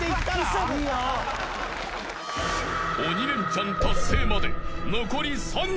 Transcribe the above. ［鬼レンチャン達成まで］